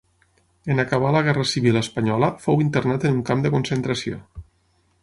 En acabar la guerra civil espanyola fou internat en un camp de concentració.